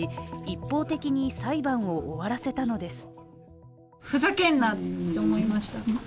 一方的に裁判を終わらせたのです。